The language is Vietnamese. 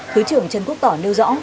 thứ trưởng trần quốc tỏ nêu rõ